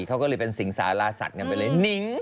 เขาก็เลยนี่เป็นสิ่งสารราชัดกันไปเลย